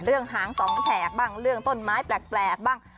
เรื่องหางสองแฉกบ้างเรื่องต้นไม้แปลกแปลกบ้าง